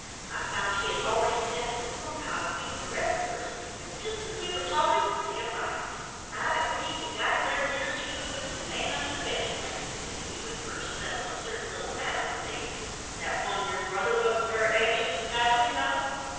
I found he had already sent to the Corn cob Queen for rescuers and just as we were talking they arrived. I agreed to guide their leader through the woods to Manunderthebed's place if he would first settle a certain little matter for me that one your brother wasn't very anxious to tackle, you know.